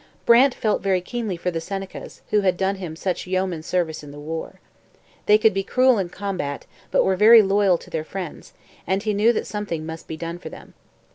Brant felt very keenly for the Senecas, who had done him such yeoman service in the war. They could be cruel in combat, but were very loyal to their friends, and he knew that something must be done for them.